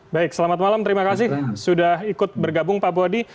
baik selamat malam terima kasih sudah ikut bergabung pak buhadi